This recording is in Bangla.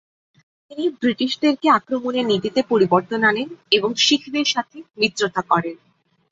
তিনি ব্রিটিশদেরকে আক্রমণের নীতিতে পরিবর্তন আনেন এবং শিখদের সাথে মিত্রতা করেন।